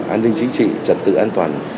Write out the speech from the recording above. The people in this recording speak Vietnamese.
an ninh chính trị trật tự an toàn